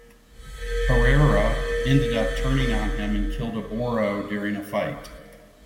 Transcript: Harara ended up turning on him and killed Oboro during a fight.